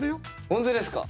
本当ですか？